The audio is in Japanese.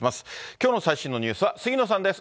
きょうの最新のニュースは杉野さんです。